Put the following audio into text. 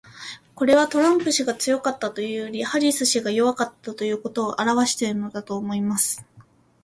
これは、トランプ氏が強かったというよりはハリス氏が弱かったということを表してるのだと思います。